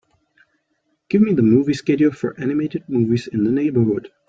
Give me the movie schedule for animated movies in the neighbourhood